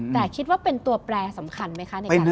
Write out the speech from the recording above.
แต่คิดว่าเป็นตัวแปรสำคัญไหมคะในการ